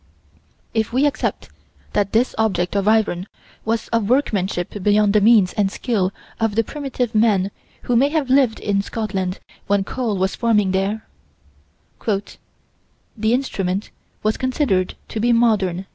If we accept that this object of iron was of workmanship beyond the means and skill of the primitive men who may have lived in Scotland when coal was forming there "The instrument was considered to be modern."